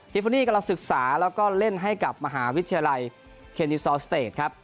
ฟูนี่กำลังศึกษาแล้วก็เล่นให้กับมหาวิทยาลัยเคนนิซอลสเตจครับ